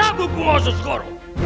aku menguasai suku ososkoro